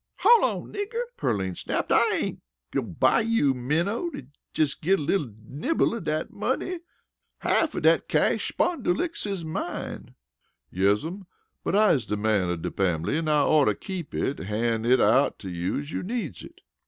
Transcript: "Hol' on nigger!" Pearline snapped. "I ain't no bayou minnow to git jes' a little nibble of dat money half of dat cash spondulix is mine." "Yes'm, but I is de man of de fambly an' I oughter keep it an' han' it out to you as you needs it."